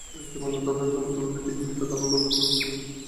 এ সংক্রান্তে তাদের অধিকাংশ বক্তব্যই ভিত্তিহীন, মিথ্যা ধারণা ও অবাস্তব দাবি।